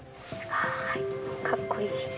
かっこいい。